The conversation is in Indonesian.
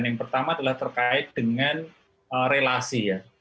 yang pertama adalah terkait dengan relasi ya